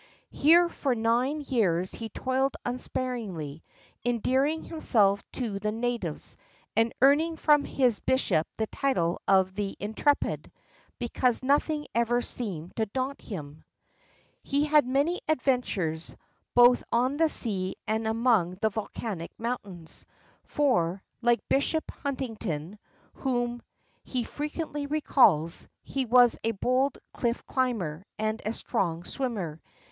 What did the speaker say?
Here for nine years he toiled unsparingly, endearing himself to the natives, and earning from his bishop the title of "the intrepid," because nothing ever seemed to daunt him. He had many adventures both on the sea and among the volcanic mountains, for, like Bishop Huntington, whom he frequently recalls, he was a bold cliff climber and a strong swimmer.